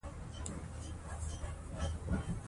دا یو لوی مسؤلیت دی.